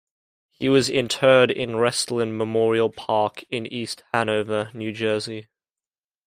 He was interred in Restland Memorial Park in East Hanover, New Jersey.